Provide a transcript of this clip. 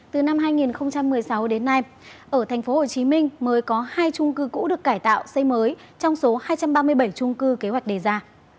từ năm hai nghìn một mươi sáu đến nay ở tp hcm mới có hai trung cư cũ được cải tạo xây mới trong số hai trăm ba mươi bảy trung cư kế hoạch đề ra